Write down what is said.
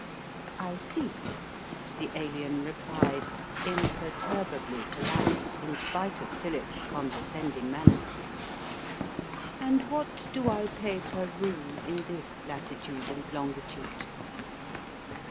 "I see," the Alien replied, imperturbably polite, in spite of Philip's condescending manner. "And what do I pay per room in this latitude and longitude?"